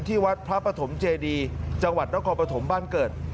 ที่วัดพระปฐมเจดีจังหวัดนครปฐมบ้านเกิด